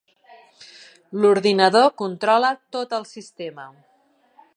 L’ordinador controla tot el sistema.